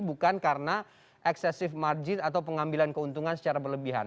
bukan karena eksesif margin atau pengambilan keuntungan secara berlebihan